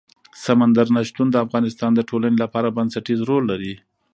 سمندر نه شتون د افغانستان د ټولنې لپاره بنسټيز رول لري.